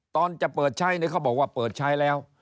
ตอนจะเปิดใช้เขาบอกว่าเปิดใช้แล้ว